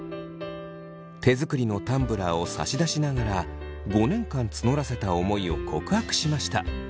手作りのタンブラーを差し出しながら５年間募らせた思いを告白しました。